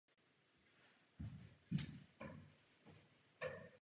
Velká Británie a Francie reagovaly rychle.